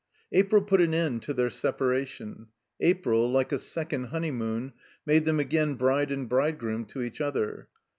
April put an end to their separation. April, like a second honeymoon, made them again bride and bridegroom to each other.